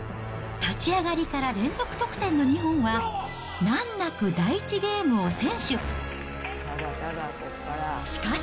立ち上がりから連続得点の日本は、難なく第１ゲームを先取。